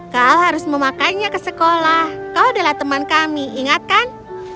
kau harus memakainya ke sekolah kau adalah teman kami ingatkan